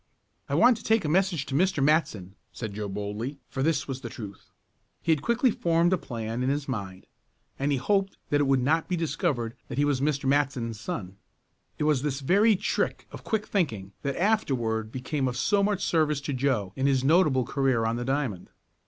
"I want to take a message to Mr. Matson," said Joe boldly, for this was the truth. He had quickly formed a plan in his mind, and he hoped that it would not be discovered that he was Mr. Matson's son. It was this very trick of quick thinking that afterward became of so much service to Joe in his notable career on the diamond.